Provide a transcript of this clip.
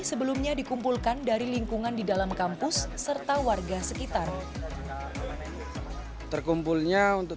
sebelumnya dikumpulkan dari lingkungan di dalam kampus serta warga sekitar terkumpulnya untuk